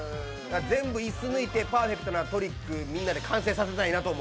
全部、椅子抜いてパーフェクトなトリック、みんなで完成させたいなと。